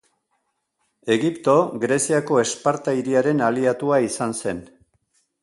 Egipto, Greziako Esparta hiriaren aliatua izan zen.